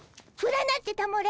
占ってたもれ。